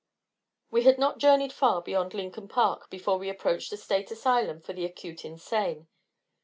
We had not journeyed far beyond Lincoln Park before we approached the State Asylum for the Acute Insane.